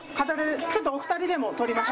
ちょっとお二人でも撮りましょう。